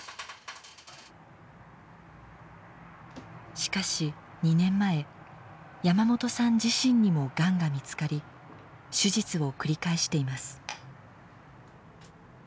しかし２年前山本さん自身にもがんが見つかり手術を繰り返しています。